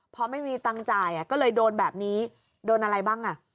พอไม่มีตังค์จ่ายก็เลยโดนแบบนี้โดนอะไรบ้างอ่ะ